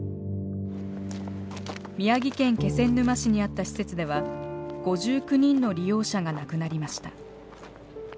宮城県気仙沼市にあった施設では５９人の利用者が亡くなりました。